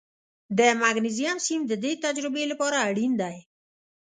د مګنیزیم سیم د دې تجربې لپاره اړین دی.